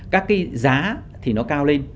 các cái giá thì nó cao lên